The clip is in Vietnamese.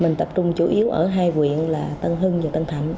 mình tập trung chủ yếu ở hai quyện là tân hưng và tân thạnh